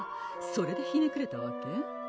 それでひねくれたわけ？